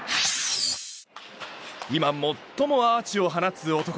今、最もアーチを放つ男